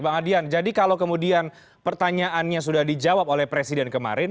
bang adian jadi kalau kemudian pertanyaannya sudah dijawab oleh presiden kemarin